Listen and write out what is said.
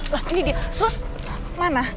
lah ini di sus mana